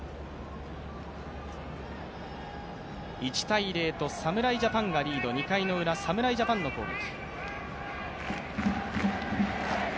１−０と侍ジャパンがリード、２回ウラ、侍ジャパンの攻撃。